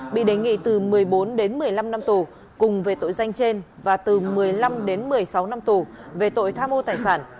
bị đề nghị từ một mươi bốn đến một mươi năm năm tù cùng về tội danh trên và từ một mươi năm đến một mươi sáu năm tù về tội tham ô tài sản